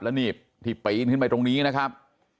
และมีพี่ปีคิดไหมตรงนี้นะครับ